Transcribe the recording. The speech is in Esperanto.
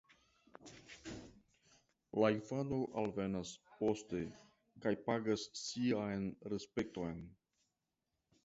La infanoj alvenas poste kaj pagas sian respekton.